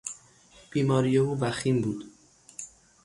بیماری او وخیم بود.